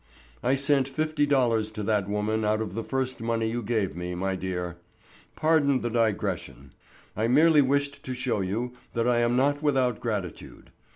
I sent fifty dollars to that woman out of the first money you gave me, my dear. Pardon the digression. I merely wished to show you that I am not without gratitude.